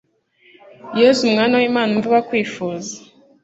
yezu mwana w'imana umva abakwifuza